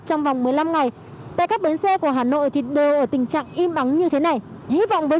trong vòng một mươi năm ngày tại các bến xe của hà nội thì đều ở tình trạng im ắng như thế này với